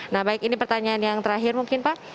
nah baik ini pertanyaan yang terakhir mungkin pak